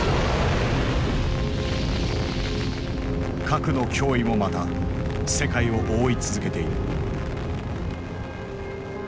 核の脅威もまた世界を覆い続けている。